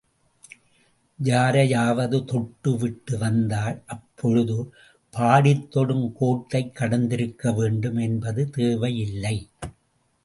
யாரையாவது தொட்டு விட்டு வந்தால், அப்பொழுது பாடித்தொடும் கோட்டைக் கடந்திருக்க வேண்டும் என்பது தேவையில்லை.